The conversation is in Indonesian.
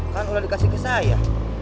kan udah dikasih ke saya